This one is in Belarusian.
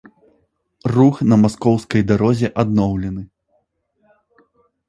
Рух на маскоўскай дарозе адноўлены.